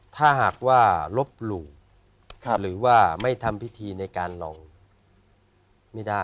ถ้าหากว่าลบหลู่หรือว่าไม่ทำพิธีในการลองไม่ได้